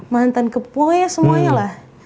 mantan kepua ya semuanya lah